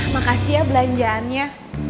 makasih ya belanjaannya